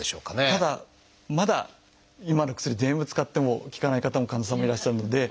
ただまだ今ある薬全部使っても効かない方も患者さんもいらっしゃるので。